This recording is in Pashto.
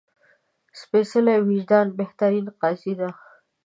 سپېڅلی وجدان بهترین قاضي ده